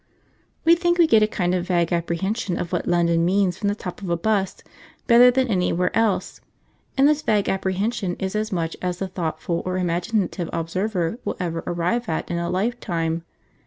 We think we get a kind of vague apprehension of what London means from the top of a 'bus better than anywhere else, and this vague apprehension is as much as the thoughtful or imaginative observer will ever arrive at in a lifetime.